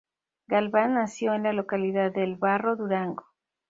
Galván nació en la localidad de El Barro, Durango.